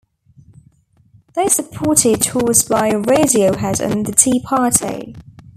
They supported tours by Radiohead and The Tea Party.